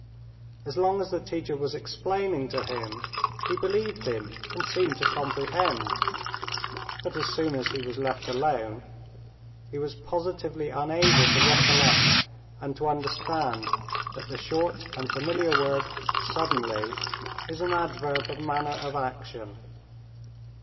As long as the teacher was explaining to him, he believed him and seemed to comprehend, but as soon as he was left alone, he was positively unable to recollect and to understand that the short and familiar word "suddenly" is an adverb of manner of action.